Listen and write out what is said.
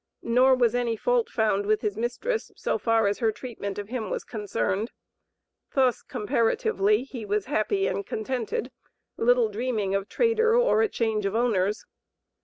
Nor was any fault found with his mistress, so far as her treatment of him was concerned; thus, comparatively, he was "happy and contented," little dreaming of trader or a change of owners.